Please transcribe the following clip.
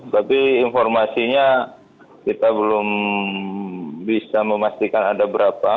tapi informasinya kita belum bisa memastikan ada berapa